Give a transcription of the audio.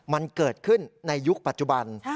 มันเกิดขึ้นในยุคปัจจุบัน